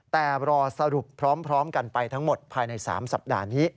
แต่รอสรุปพร้อมกันไปทั้งหมดภายใน๓สัปดาห์นี้